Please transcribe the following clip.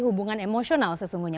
hubungan emosional sesungguhnya